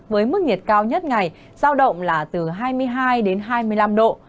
với mức nhiệt cao nhất ngày giao động là từ hai mươi hai đến hai mươi năm độ